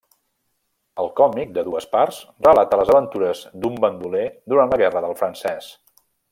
El còmic, de dues parts, relata les aventures d'un bandoler durant la Guerra del Francès.